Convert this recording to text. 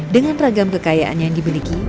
dengan ragam kekayaan yang dimiliki